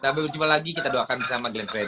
sampai berjumpa lagi kita doakan bersama glenn freddy